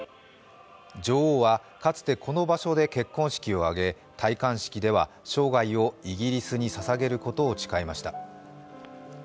女王はかつてこの場所で結婚式を挙げ戴冠式では生涯をイギリスにささげることを誓いました。